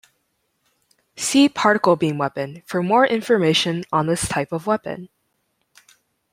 See particle beam weapon for more information on this type of weapon.